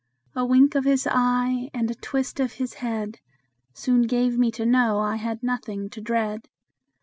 A wink of his eye, and a twist of his head, Soon gave me to know I had nothing to dread.